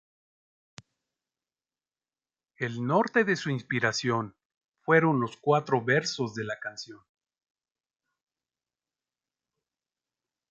El norte de su inspiración fueron los cuatro versos de la canción.